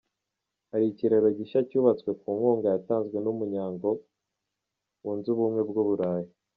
Hari ikiraro gishya cyubatswe ku nkunga yatanzwe n’Umunyango wunze Ubumwe w’u Burayi.